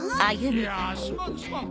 いやすまんすまん。